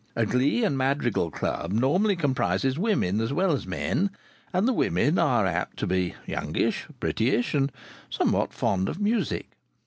A glee and madrigal club naturally comprises women as well as men; and the women are apt to be youngish, prettyish, and somewhat fond of music.